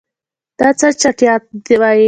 دا څه چټیات وایې.